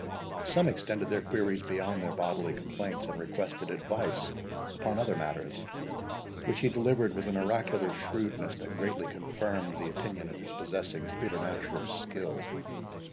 Some extended their queries beyond their bodily complaints, and requested advice upon other matters, which he delivered with an oracular shrewdness that greatly confirmed the opinion of his possessing preternatural skill.